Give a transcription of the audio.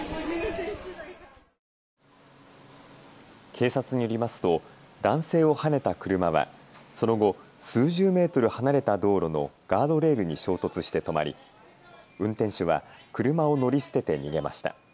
警察によりますと男性をはねた車は、その後数十メートル離れた道路のガードレールに衝突して止まり運転手は車を乗り捨てて逃げました。